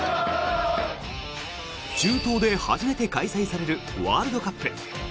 中東で初めて開催されるワールドカップ。